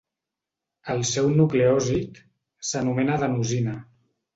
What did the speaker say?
El seu nucleòsid s'anomena adenosina.